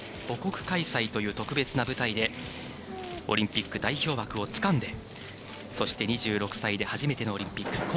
母国開催という特別な舞台でオリンピック代表枠をつかんでそして、２６歳で初めてのオリンピック。